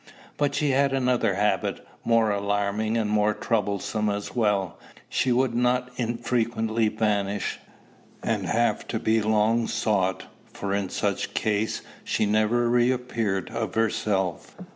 But she had another habit, more alarming, and more troublesome as well: she would not unfrequently vanish, and have to be long sought, for in such case she never reappeared of herself.